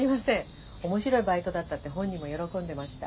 面白いバイトだったって本人も喜んでました。